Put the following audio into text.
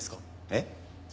えっ？